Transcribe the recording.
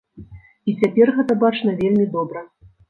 І цяпер гэта бачна вельмі добра.